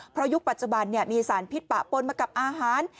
เพราะยุคปัจจุบันมีสารพิษปะปนมากับอาหาร